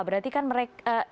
berarti kan mereka